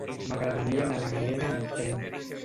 M'agradaria anar a la Galera amb tren.